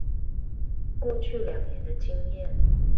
過去兩年的經驗